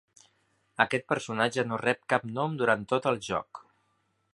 Aquest personatge no rep cap nom durant tot el joc.